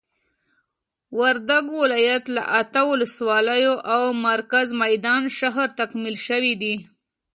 وردګ ولايت له اته ولسوالیو او مرکز میدان شهر تکمیل شوي دي.